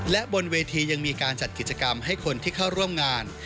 และบนเวทียังมีการจัดกิจกรรมให้คนที่เข้าร่วมงาน